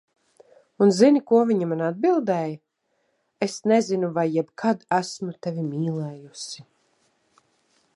Un zini, ko viņa man atbildēja, "Es nezinu, vai jebkad esmu tevi mīlējusi."